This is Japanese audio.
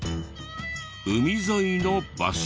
海沿いの場所に。